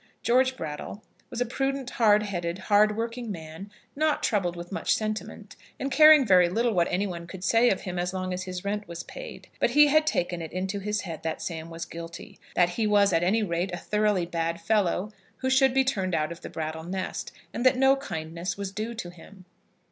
George Brattle was a prudent, hard headed, hard working man, not troubled with much sentiment, and caring very little what any one could say of him as long as his rent was paid; but he had taken it into his head that Sam was guilty, that he was at any rate a thoroughly bad fellow who should be turned out of the Brattle nest, and that no kindness was due to him.